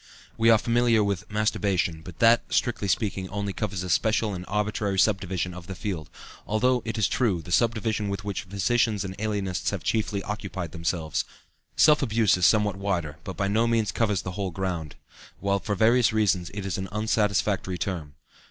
We are familiar with "masturbation," but that, strictly speaking, only covers a special and arbitrary subdivision of the field, although, it is true, the subdivision with which physicians and alienists have chiefly occupied themselves. "Self abuse" is somewhat wider, but by no means covers the whole ground, while for various reasons it is an unsatisfactory term.